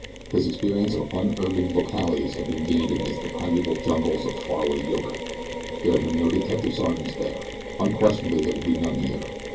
His experience of unurban localities had been gained amidst the primeval jungles of far away Yoka. There had been no detective sergeants there unquestionably there could be none here.